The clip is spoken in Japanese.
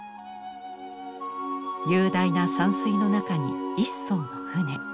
雄大な山水の中に１艘の船。